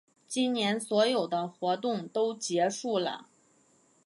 今年所有的活动都结束啦